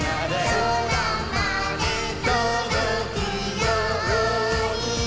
「そらまでとどくように」